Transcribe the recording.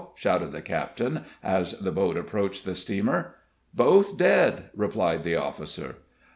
shouted the captain, as the boat approached the steamer. "Both dead!" replied the officer.